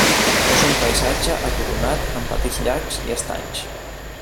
És un paisatge aturonat amb petits llacs i estanys.